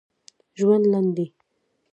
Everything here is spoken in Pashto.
ژوند لنډ دی